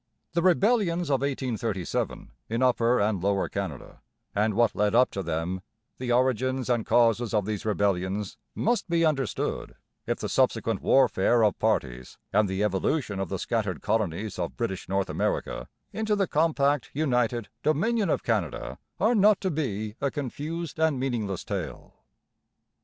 The rebellions of 1837 in Upper and Lower Canada, and what led up to them, the origins and causes of these rebellions, must be understood if the subsequent warfare of parties and the evolution of the scattered colonies of British North America into the compact united Dominion of Canada are not to be a confused and meaningless tale.